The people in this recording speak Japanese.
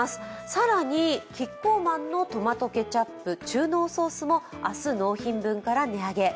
更にキッコーマンのトマトケチャップ中濃ソースも明日納品分から値上げ。